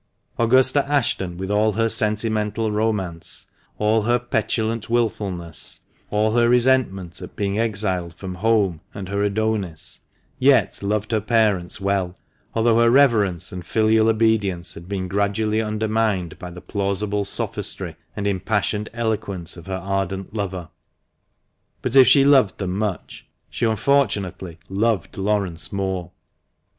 Augusta Ashton, with all her sentimental romance, all her petulant wilfulness, all her resentment at being exiled from home and her Adonis, yet loved her parents well, although her reverence and filial obedience had been gradually undermined by the plausible sophistry and impassioned eloquence of her ardent lover. But if she loved them much, she unfortunately, loved Laurence more.